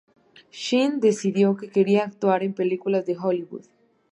Shin decidió que quería actuar en películas de Hollywood.